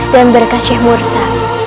dan berkah syekh mursa